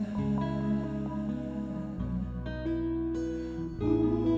ya silahkan tante